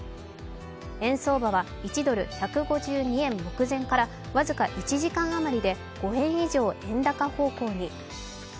円相場は１ドル＝１５２円目前から僅か１時間余りで５円以上円高方向に。